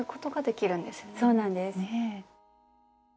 そうなんです。